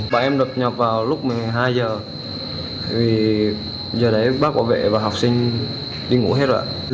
bạn em đột nhập vào lúc một mươi hai h giờ đấy bác bảo vệ và học sinh đi ngủ hết rồi